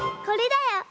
これだよ。